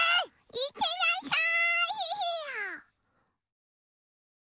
いってらっしゃい！